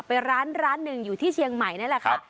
ไปร้านร้านหนึ่งอยู่ที่เชียงใหม่นั่นแหละค่ะ